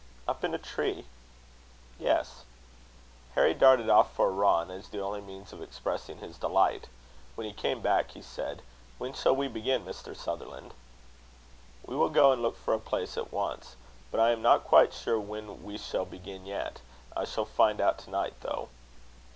"Up in a tree?" "Yes." Harry darted off for a run, as the only means of expressing his delight. When he came back, he said: "When shall we begin, Mr. Sutherland?" "We will go and look for a place at once; but I am not quite sure when we shall begin yet. I shall find out to night, though."